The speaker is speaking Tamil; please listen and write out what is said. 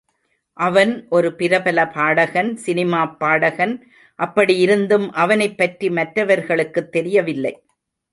அவன் ஒரு பிரபல பாடகன் சினிமாப் பாடகன் அப்படி இருந்தும் அவனைப்பற்றி மற்றவர்களுக்குத் தெரியவில்லை.